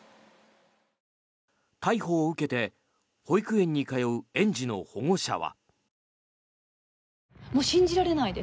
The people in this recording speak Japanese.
逮捕を受けて保育園に通う園児の保護者は。